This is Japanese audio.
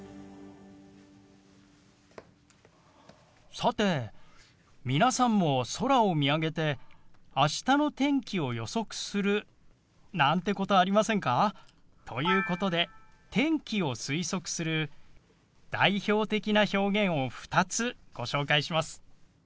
さて皆さんも空を見上げて明日の天気を予測するなんてことありませんか？ということで天気を推測する代表的な表現を２つご紹介します。